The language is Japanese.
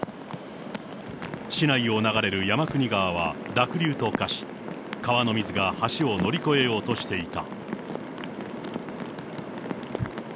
市内を流れる山国川は濁流と化し、川の水が橋を乗り越えようとしていた。